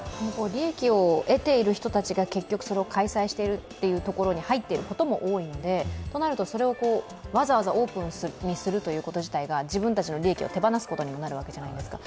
利益を得ている人たちが結局開催しているところに入っていることも多いので、となると、それをわざわざオープンにすると自分たちの利益を手放すことにもなるわけじゃないですか。